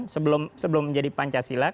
ini sudah ditetapkan sebelum menjadi pancasila